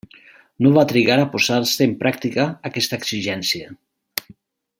No va trigar a posar-se en pràctica aquesta exigència.